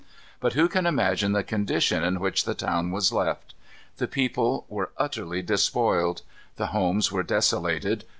But who can imagine the condition in which the town was left? The people were utterly despoiled. The homes were desolated.